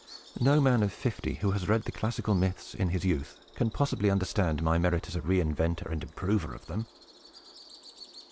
No man of fifty, who has read the classical myths in his youth, can possibly understand my merit as a reinventor and improver of them."